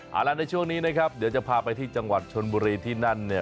เอาล่ะในช่วงนี้นะครับเดี๋ยวจะพาไปที่จังหวัดชนบุรีที่นั่นเนี่ย